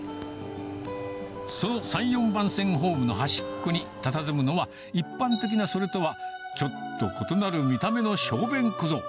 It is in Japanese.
その３、４番線ホームの端っこにたたずむのは、一般的なそれとはちょっと異なる見た目の小便小僧。